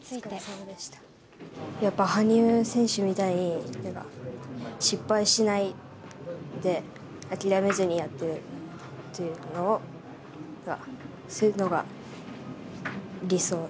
やっぱ羽生選手みたいに、失敗しないで、諦めずにやるっていうのが、そういうのが理想。